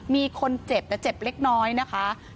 มีคนเจ็บแต่เจ็บเล็กน้อยนะคะ